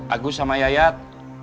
aku sama yayat